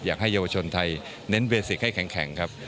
อยากให้เยาวชนไทยเน้นเบสิกให้แข็งครับ